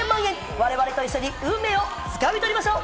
我々と一緒に運命を掴み取りましょう！